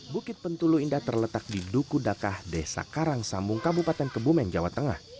bukit pentulu indah terletak di duku dakah desa karang sambung kabupaten kebumen jawa tengah